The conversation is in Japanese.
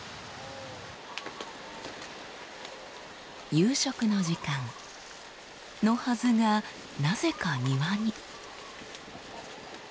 夕食の時間。のはずがなぜか庭に。